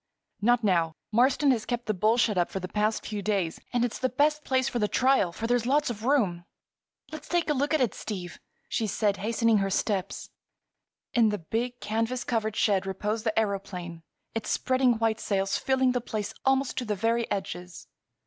"Not now. Marston has kept the bull shut up the past few days. And it's the best place for the trial, for there's lots of room." "Let's take a look at it, Steve!" she said, hastening her steps. In the big, canvas covered shed reposed the aëroplane, its spreading white sails filling the place almost to the very edges.